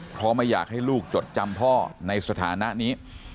เพราะไม่อยากให้ลูกจดจำพ่อในสถานะนี้